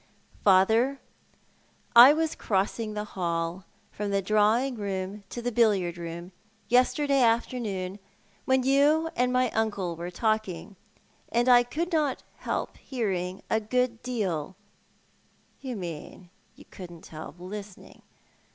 " Father, I was crossing the hall — from the drawing room to the billiard room — yesterday afternoon, when you and my uncle were talking, and I could not help hearing a good deal "" You mean you couldn't help listening.